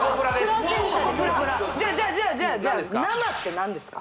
じゃあじゃあじゃあじゃあ生って何ですか？